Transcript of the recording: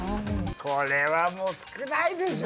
これはもう少ないでしょ。